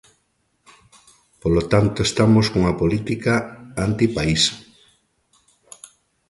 Polo tanto, estamos cunha política antipaís.